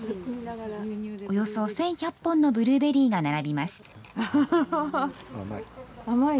およそ１１００本のブルーベリーが並びます。